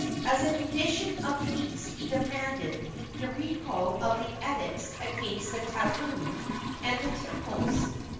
As a condition of peace he demanded the recall of the edicts against the tabu and the temples.